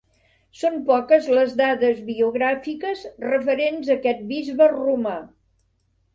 Són poques les dades biogràfiques referents a aquest bisbe romà.